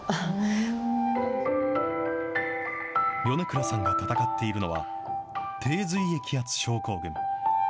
米倉さんが闘っているのは、低髄液圧症候群。